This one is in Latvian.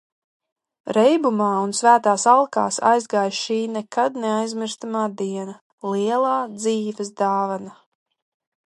Reibumā un svētās alkās aizgāja šī nekad neaizmirstamā diena, lielā dzīves dāvana.